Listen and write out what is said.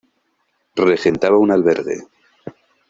Regentaba un albergue.